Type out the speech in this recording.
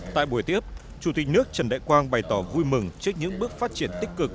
tại buổi tiếp chủ tịch nước trần đại quang bày tỏ vui mừng trước những bước phát triển tích cực